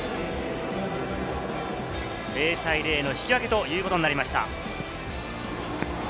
０対０の引き分けということになりました。